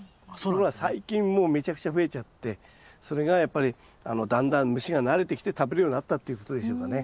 ところが最近もうめちゃくちゃ増えちゃってそれがやっぱりだんだん虫が慣れてきて食べるようになったということでしょうかね。